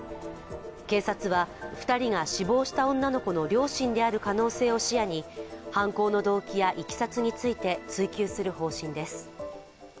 警察は２人が死亡した女の子の両親である可能性を視野に犯行の動機やいきさつについて追及する方針です。